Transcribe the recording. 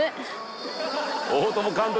「大友監督！